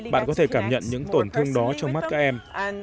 bạn có thể cảm nhận những tổn thương đó trong mắt các em